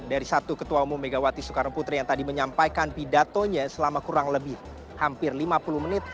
dari satu ketua umum megawati soekarno putri yang tadi menyampaikan pidatonya selama kurang lebih hampir lima puluh menit